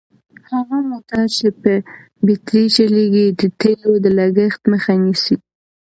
هغه موټر چې په بېټرۍ چلیږي د تېلو د لګښت مخه نیسي.